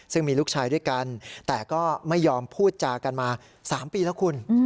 ซึ่งมีลูกชายด้วยกันแต่ก็ไม่ยอมพูดจากันมา๓ปีแล้วคุณ